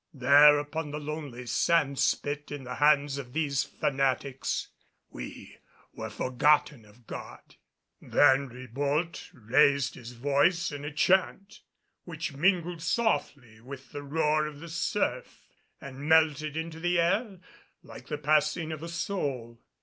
There, upon the lonely sand spit in the hands of these fanatics, we were forgotten of God. Then Ribault raised his voice in a chant which mingled softly with the roar of the surf and melted into the air like the passing of a soul.